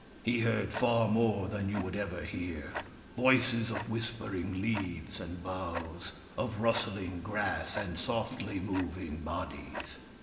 He heard far more than you would ever hear — voices of whispering leaves and boughs, of rustling grass, and softly moving bodies.